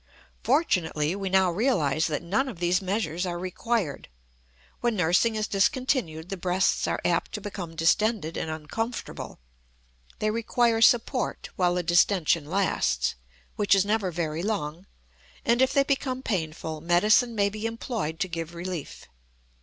Fortunately, we now realize that none of these measures are required. When nursing is discontinued the breasts are apt to become distended and uncomfortable. They require support while the distention lasts, which is never very long, and if they become painful, medicine may be employed to give relief.